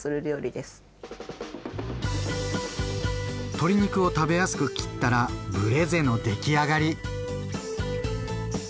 鶏肉を食べやすく切ったら「ブレゼ」の出来上がり。